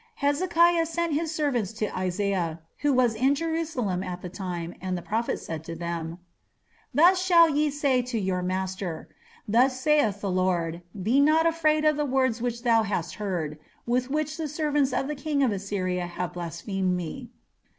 " Hezekiah sent his servants to Isaiah, who was in Jerusalem at the time, and the prophet said to them: Thus shall ye say to your master. Thus saith the Lord, Be not afraid of the words which thou hast heard, with which the servants of the king of Assyria have blasphemed me.